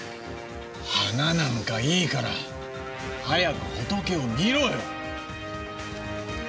花なんかいいから早くホトケを見ろよ！